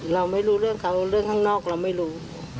เราไม่รู้เรื่องเขาเรื่องข้างนอกเราไม่รู้